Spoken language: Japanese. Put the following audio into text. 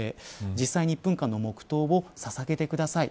実際に１分間の黙とうをささげてください